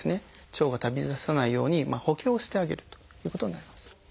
腸が飛び出さないように補強してあげるということになります。